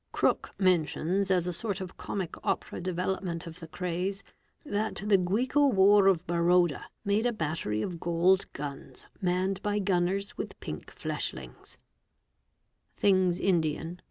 Crooke mentions as a sort of Comic Opera development of the raze that "the Guicowar of Baroda made a battery of gold guns manned y gunners with pink fleshings" (Things Indian, p.